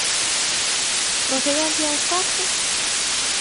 Procedencia dos cartos?